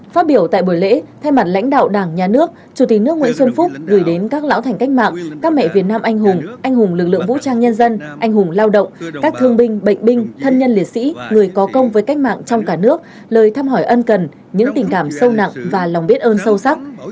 phát biểu tại buổi lễ thay mặt lãnh đạo đảng nhà nước chủ tịch nước nguyễn xuân phúc gửi đến các lão thành cách mạng các mẹ việt nam anh hùng anh hùng lực lượng vũ trang nhân dân anh hùng lao động các thương binh bệnh binh thân nhân liệt sĩ người có công với cách mạng trong cả nước lời thăm hỏi ân cần những tình cảm sâu nặng và lòng biết ơn sâu sắc